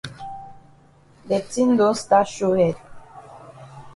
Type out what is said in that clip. De tin don stat show head.